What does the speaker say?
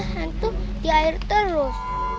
hantu di air terus